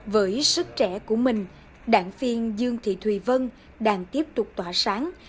với sức trẻ của mình đảng viên dương thị thùy vân đang tiếp tục tỏa sáng